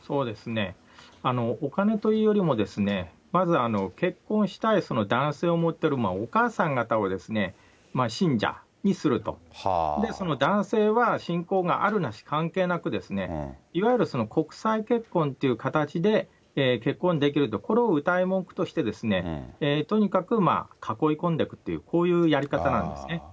お金というよりも、まず結婚したい男性を持ってるお母さん方を信者にすると、その男性は信仰があるなし関係なく、いわゆる国際結婚という形で結婚できると、これをうたい文句として、とにかく囲い込んでいくという、こういうやり方なんですね。